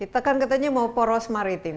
kita kan katanya mau poros maritim